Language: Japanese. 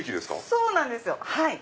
そうなんですよ。